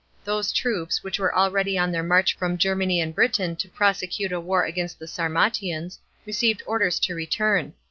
Those troops, which were already on their march from Germany and Britain to prosecute a war against the Sarmatians, received orders to return.